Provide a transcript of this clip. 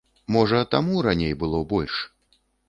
Можа, таму раней было больш.